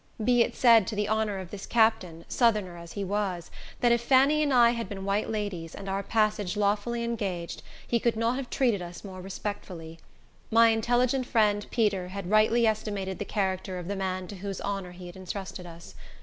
Be it said to the honor of this captain, Southerner as he was, that if Fanny and I had been white ladies, and our passage lawfully engaged, he could not have treated us more respectfully. My intelligent friend, Peter, had rightly estimated the character of the man to whose honor he had intrusted us.